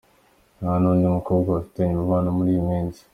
Nta n’undi mukobwa bafitanye umubano muri iyi minsi.